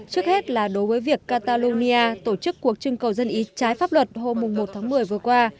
trước hết là đối với việc catalonia tổ chức cuộc trưng cầu dân ý trái pháp luật hôm một tháng một mươi vừa qua